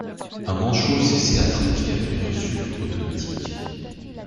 Un manchot s'essaie à trinquer à plusieurs sucres automatiques.